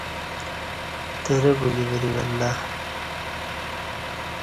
ترہ بلی ورے ولہ